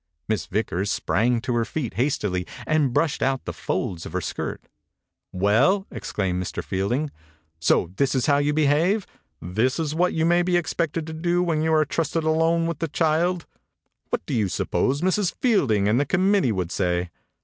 Miss Vickers sprang to her feet hastily and brushed out the folds of her skirt. "Well!" exclaimed Mr.Field ing. "So this is how you be have I This is what you may be expected to do when you are trusted alone with the child I What do you suppose Mrs.Field 59 THE INCUBATOR BABY ing and the committee would say?"